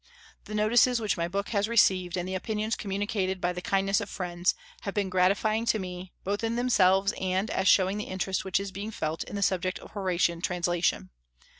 The notices which my book has received, and the opinions communicated by the kindness of friends, have been gratifying to me, both in themselves, and as showing the interest which is being felt in the subject of Horatian translation.